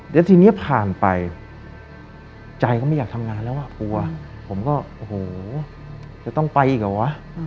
แล้วทีนี้ผ่านไปใจก็ไม่อยากทำงานแล้วอ่ะกลัวผมก็โอ้โหจะต้องไปอีกเหรอวะ